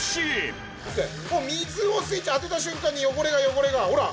水を当てた瞬間に汚れが汚れがほら！